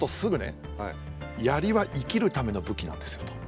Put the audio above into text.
「槍は生きるための武器なんですよ」と。